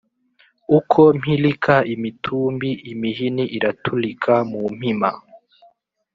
Uko mpilika imitumbi, imihini iratulika mu Mpima,